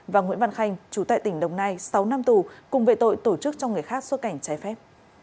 và nguyễn văn khanh chú tại tỉnh đồng nai sáu năm tù cùng về tội tổ chức cho người khác xuất cảnh trái phép